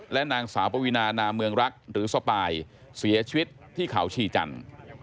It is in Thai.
และนางสาวปวีนานาเมืองรักหรือสปายเสียชีวิตที่เขาชีจันทร์